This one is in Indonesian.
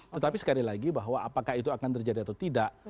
tetapi sekali lagi bahwa apakah itu akan terjadi atau tidak